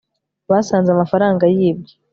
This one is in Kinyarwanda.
basanze amafaranga yibwe